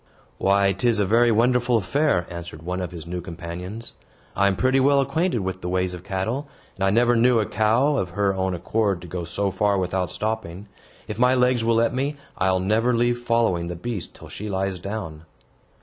"Why, 'tis a very wonderful affair," answered one of his new companions. "I am pretty well acquainted with the ways of cattle, and I never knew a cow, of her own accord, to go so far without stopping. If my legs will let me, I'll never leave following the beast till she lies down."